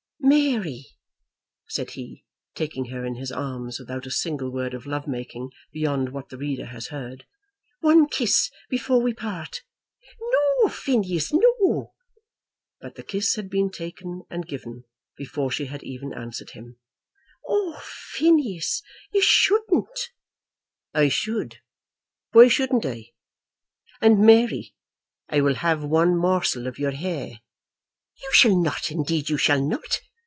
"Mary," said he, taking her in his arms, without a single word of love making beyond what the reader has heard, "one kiss before we part." "No, Phineas, no!" But the kiss had been taken and given before she had even answered him. "Oh, Phineas, you shouldn't!" "I should. Why shouldn't I? And, Mary, I will have one morsel of your hair." "You shall not; indeed you shall not!"